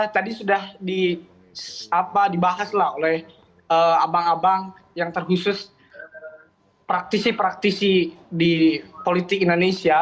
tadi sudah dibahas oleh abang abang yang terkhusus praktisi praktisi di politik indonesia